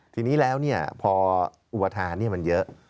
ทีนี้แล้วเนี่ยพออุปถานเนี่ยมันเยอะ